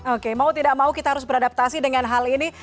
oke mau tidak mau kita harus beradaptasi dengan hal ini